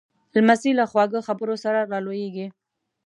لمسی له خواږه خبرو سره را لویېږي.